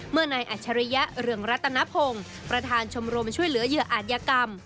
นายอัจฉริยะเรืองรัตนพงศ์ประธานชมรมช่วยเหลือเหยื่ออาจยกรรม